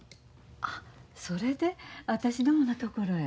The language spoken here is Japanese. あそれで私どものところへ。